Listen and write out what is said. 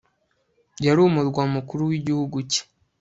yari umurwa mukuru w'igihugu cye